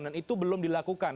dan itu belum dilakukan